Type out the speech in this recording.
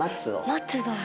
松だ。